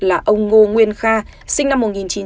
là ông ngô nguyên kha sinh năm một nghìn chín trăm bảy mươi một